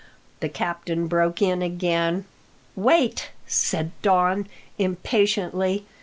the captain broke in again. "Wait!" said Don impatiently.